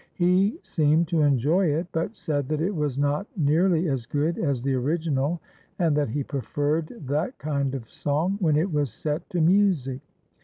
He seemed to enjoy it, but said that it was not nearly as good as the original, and that he preferred that kind of song when it was set to music.